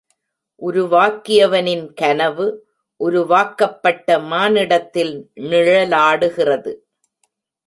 உருவாக்கியவனின் கனவு, உருவாக்கப்பட்ட மானிடத்தில் நிழலாடுகிறது.